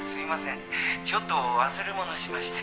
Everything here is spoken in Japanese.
ちょっと忘れ物をしまして」